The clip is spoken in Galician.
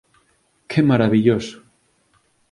Que marabilloso!